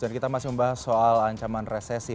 dan kita masih membahas soal ancaman resesi